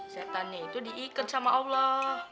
setannya itu diikat sama allah